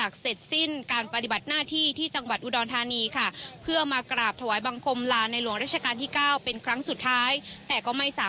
ขอบคุณที่สุดที่ได้ข้อมูลค่ะ